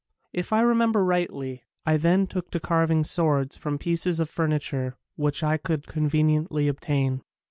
If I remember rightly, I then took to carving swords from pieces of furniture which I could conveniently obtain.